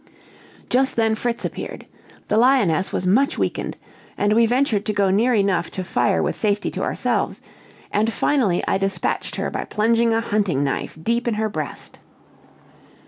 Just then Fritz appeared. The lioness was much weakened, and we ventured to go near enough to fire with safety to ourselves; and finally I dispatched her by plunging a hunting knife deep in her breast.